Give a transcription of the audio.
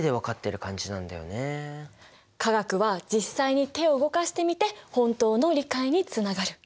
化学は実際に手を動かしてみて本当の理解につながる。